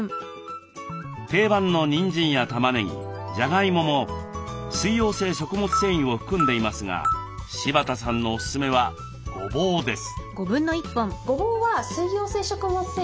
定番のにんじんやたまねぎじゃがいもも水溶性食物繊維を含んでいますが柴田さんのおすすめはごぼうです。